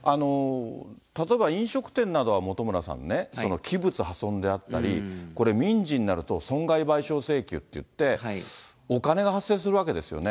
例えば、飲食店などは、本村さんね、器物破損であったり、民事になると損害賠償請求っていって、お金が発生するわけですよね。